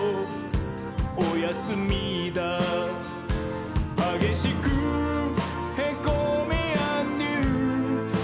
おやすみだー」「はげしくへこみーあんどゆー」